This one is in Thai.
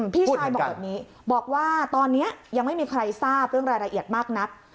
พี่ชายบอกแบบนี้บอกว่าตอนนี้ยังไม่มีใครทราบเรื่องรายละเอียดมากนัก